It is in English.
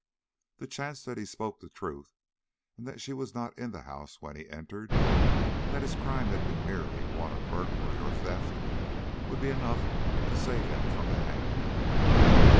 The chance that he spoke the truth, and that she was not in the house when he entered, and that his crime had been merely one of burglary or theft, would be enough to save him from the hangman."